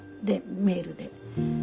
でメールで。